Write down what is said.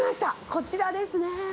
こちらですね。